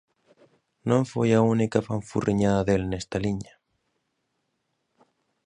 Non foi a única 'fanfurriñada' del nesta liña.